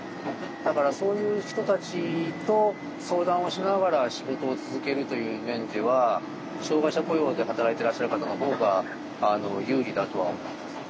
だからそういう人たちと相談をしながら仕事を続けるという面では障害者雇用で働いてらっしゃる方のほうが有利だとは思います。